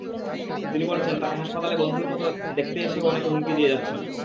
তিনি বলেছেন, তাঁকে হাসপাতালে বন্ধুর মতো দেখতে এসেও অনেকে হুমকি দিয়ে যাচ্ছেন।